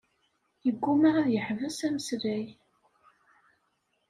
Yeggumma ad yeḥbes ameslay.